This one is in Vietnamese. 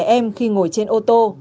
trẻ em khi ngồi trên ô tô